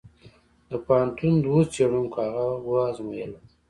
د پوهنتون دوو څېړونکو هغه وزمویله.